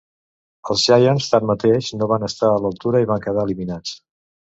Els Giants, tanmateix, no van estar a l'altura i van quedar eliminats.